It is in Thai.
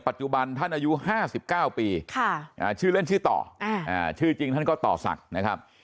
ท่านอายุ๕๙ปีชื่อเล่นชื่อต่อชื่อจริงท่านก็ต่อศักดิ์นะครับ